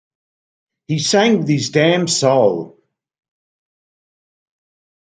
He sang with his damn soul.